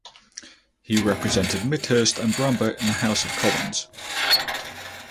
He represented Midhurst and Bramber in the House of Commons.